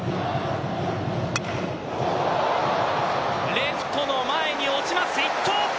レフトの前に落ちます。